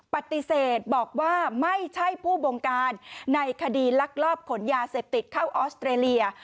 ปฏิเสธบอกว่าไม่ใช่ผู้บงการในคดีลักลอบขนยาเสพติดเข้าออสเตรเลีย